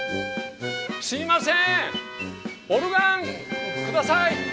すいませんオルガンください！